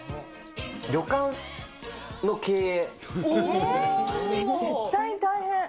旅館の経営。